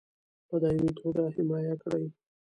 په دایمي توګه حمایه کړي.